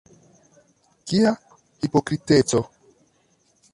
Kia hipokriteco!